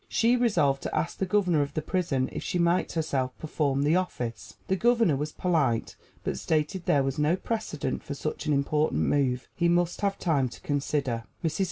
She resolved to ask the Governor of the prison if she might herself perform the office. The Governor was polite, but stated there was no precedent for such an important move he must have time to consider. Mrs.